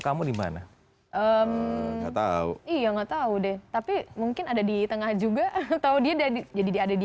kamu dimana eh tahu iya nggak tahu deh tapi mungkin ada di tengah juga atau dia jadi dia ada di